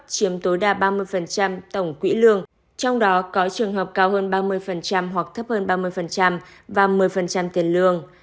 chiếm tối đa ba mươi tổng quỹ lương trong đó có trường hợp cao hơn ba mươi hoặc thấp hơn ba mươi và một mươi tiền lương